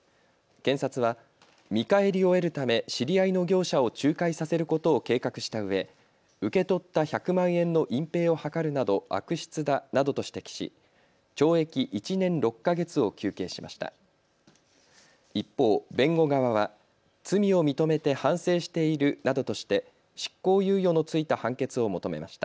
検察は見返りを得るため知り合いの業者を仲介させることを計画したうえ受け取った１００万円の隠蔽を図るなど悪質だなどと指摘し懲役１年６か月を求刑しました。